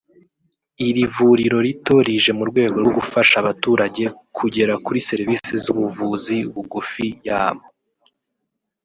iri vuriro rito rije mu rwego rwo gufasha abaturage kugera kuri serivisi z’ubuvuzi bugufi yabo